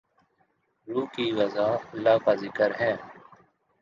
روح کی غذا اللہ کا ذکر ہے